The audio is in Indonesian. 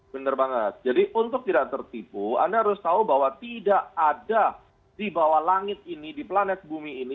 benar banget jadi untuk tidak tertipu anda harus tahu bahwa tidak ada di bawah langit ini di planet bumi ini